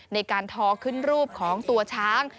ในการทอขึ้นรูปของตัวช้าง